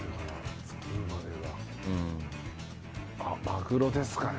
あっマグロですかね。